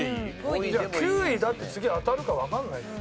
９位だって次当たるかわからないじゃん。